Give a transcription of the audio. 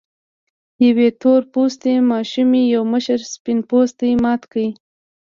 يوې تور پوستې ماشومې يو مشر سپين پوستي مات کړ.